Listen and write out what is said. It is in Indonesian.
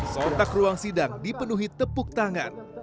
sontak ruang sidang dipenuhi tepuk tangan